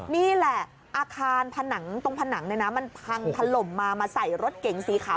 นี่แหละอาคารผนังตรงผนังเนี่ยนะมันพังถล่มมามาใส่รถเก๋งสีขาว